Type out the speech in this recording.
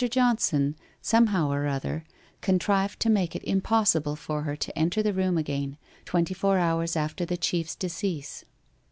Johnson, somehow or other, contrived to make it impossible for her to enter the room again, twenty four hours after the chief's decease.